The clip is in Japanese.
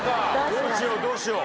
どうしようどうしよう。